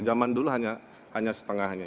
zaman dulu hanya setengahnya